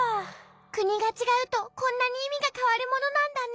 くにがちがうとこんなにいみがかわるものなんだね。